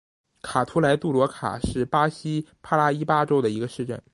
卡图莱杜罗卡是巴西帕拉伊巴州的一个市镇。